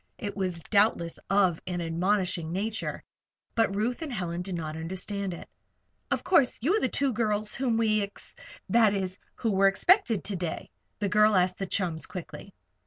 It was doubtless of an admonishing nature, but Ruth and Helen did not understand it. "Of course, you are the two girls whom we ex that is, who were expected to day?" the girl asked the chums, quickly.